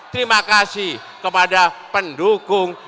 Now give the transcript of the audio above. terima kasih kepada pendukung